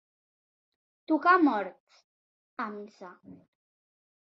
Tocar a morts, a missa.